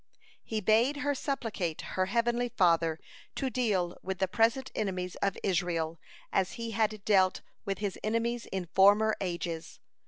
He bade her supplicate her Heavenly Father to deal with the present enemies of Israel as He had dealt with his enemies in former ages.